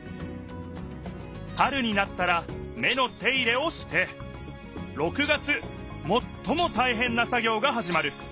春になったら芽の手入れをして６月もっともたいへんな作業がはじまる。